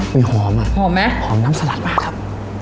มันหอมอ่ะหอมไหมหอมน้ำสลัดมากครับ